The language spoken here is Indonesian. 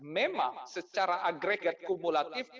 memang secara agregat kumulatif